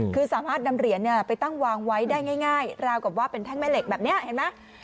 คือสามารถนำเหรียญไปตั้งวางไว้ได้ง่ายราวกับว่าเป็นแท่งแม่เหล็กแบบนี้เห็นไหม